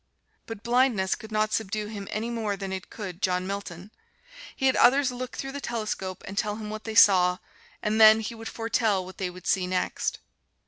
But blindness could not subdue him any more than it could John Milton. He had others look through the telescope and tell him what they saw and then he would foretell what they would see next.